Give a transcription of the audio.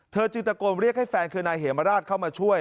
จึงตะโกนเรียกให้แฟนคือนายเหมราชเข้ามาช่วย